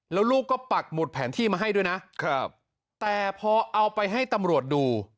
แล้วลูกก็ปักหมุดแผนที่มาให้ด้วยนะครับแต่พอเอาไปให้ตำรวจดู